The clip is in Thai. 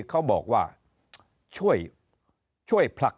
เขาบอกว่าช่วยผลักดันให้หน่อยว่า